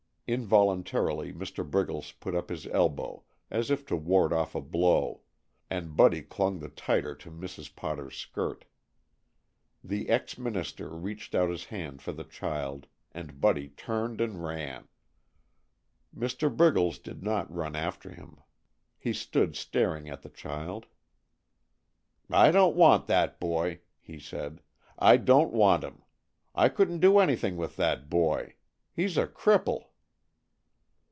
Involuntarily Mr. Briggles put up his elbow as if to ward off a blow, and Buddy clung the tighter to Mrs. Potter's skirt. The ex minister reached out his hand for the child, and Buddy turned and ran. Mr. Briggles did not run after him. He stood staring at the child. "I don't want that boy," he said. "I don't want him. I couldn't do anything with that boy. He's a cripple!"